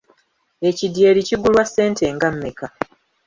Ekidyeri kigulwa ssente nga mmeka?